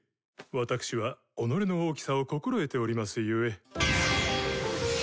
私は己の大きさを心得ておりますゆえ。